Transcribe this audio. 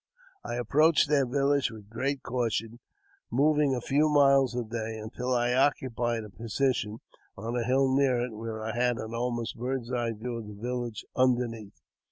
150 AUTOBIOGBAPHY OF I approached their village with great caution, moving a few miles a day, until I occupied a position on a hill near it, where I had an almost bird's eye view of the village underneath.